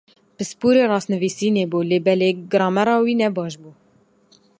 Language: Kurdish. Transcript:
Pisporê rastnivîsînê bû lê belê gramera wî nebaş bû.